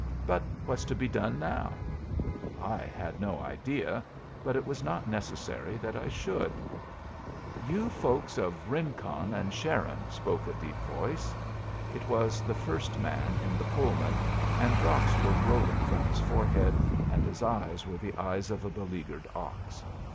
But what's to be done now?" I had no idea; but it was not necessary that I should. "You folks of Rincon and Sharon," spoke a deep voice. It was the first man in the Pullman, and drops were rolling from his forehead, and his eyes were the eyes of a beleaguered ox.